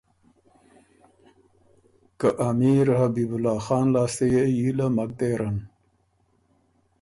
که امیر حبیب الله خان لاسته يې حیله مک دېرن